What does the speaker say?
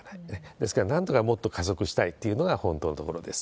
ですから、なんとかもっと加速したいというのが本当のところです。